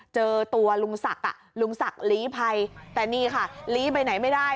เจอตัวลุงศักดิ์อ่ะลุงศักดิ์ลีภัยแต่นี่ค่ะลี้ไปไหนไม่ได้